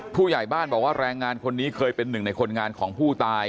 ผู้ใหญ่บ้านบอกว่าแรงงานคนนี้เคยเป็นหนึ่งในคนงานของผู้ตาย